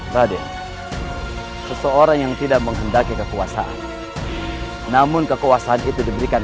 raden seseorang yang tidak menghendaki kekuasaan namun kekuasaan itu diberikan